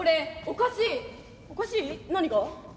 おかしい？何が？